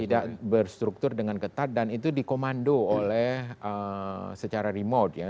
tidak berstruktur dengan ketat dan itu dikomando oleh secara remote ya